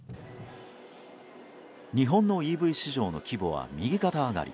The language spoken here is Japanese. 日本のＥＶ市場の規模は右肩上がり。